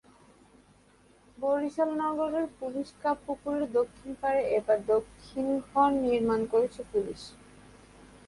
বরিশাল নগরের police club পুকুরের দক্ষিণ পাড়ে এবার দোকানঘর নির্মাণ করছে পুলিশ।